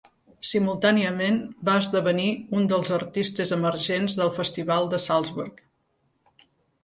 Simultàniament va esdevenir un dels artistes emergents del Festival de Salzburg.